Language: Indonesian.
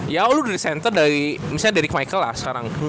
ya lo udah di center dari misalnya derek michael lah sekarang